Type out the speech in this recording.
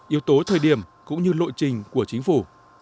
yếu tố thời điểm cũng như lộ trình của chính phủ